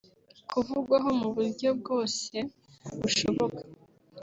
kuvugwaho mu buryo bwose bushoboka